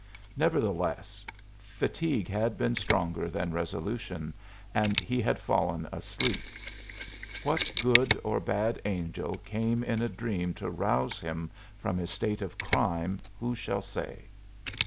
Nevertheless, fatigue had been stronger than resolution and he had fallen asleep. What good or bad angel came in a dream to rouse him from his state of crime, who shall say?